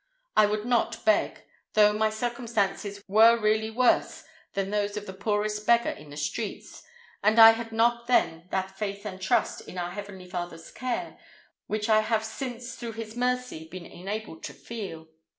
I would not beg, though my circumstances were really worse than those of the poorest beggar in the streets, and I had not then that faith and trust in our heavenly Father's care, which I have since through His mercy been enabled to feel.